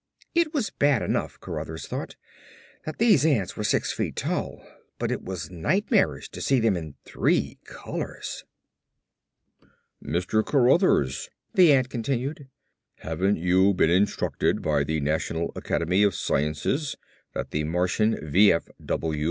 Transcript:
It was bad enough, Cruthers thought, that these ants were six feet tall, but it was nightmarish to see them in three colors. "Mr. Cruthers," the ant continued, "haven't you been instructed by the National Academy of Sciences that the Martian V.F.W.